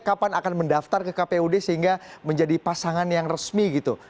kapan akan mendaftar ke kpud sehingga menjadi pasangan yang resmi gitu